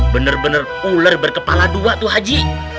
bener bener uler berkepala dua tuh haji